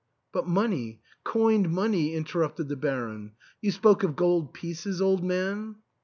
*' ^'But money — coined money," interrupted the Baron, "you spoke of gold pieces, old man?"